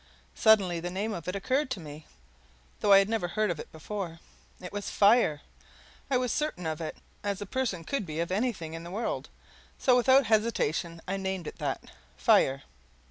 Suddenly the name of it occurred to me, though I had never heard of it before. It was FIRE! I was as certain of it as a person could be of anything in the world. So without hesitation I named it that fire.